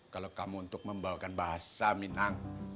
kalau kamu untuk membawakan bahasa minang